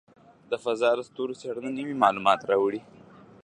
د فضاء د ستورو څېړنه نوې معلومات راوړي.